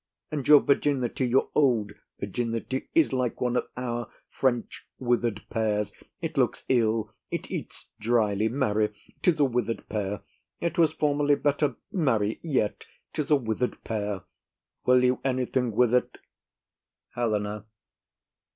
And your virginity, your old virginity, is like one of our French wither'd pears; it looks ill, it eats drily; marry, 'tis a wither'd pear; it was formerly better; marry, yet 'tis a wither'd pear. Will you anything with it? HELENA.